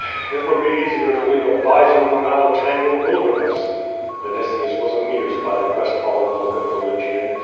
'*Eh! It would be easier to lead a bison from out a tangled wilderness." Vinitius was amused by the crestfallen look of the Lygian.